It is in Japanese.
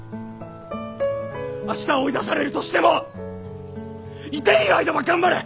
明日追い出されるとしてもいていい間は頑張れ！